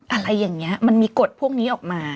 อะไรอย่างนี้มันมีกฎพวกนี้ออกมา